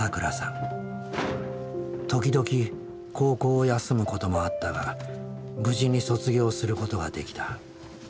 時々高校を休むこともあったが無事に卒業することができた。